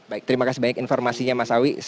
baik terima kasih banyak informasinya mas awi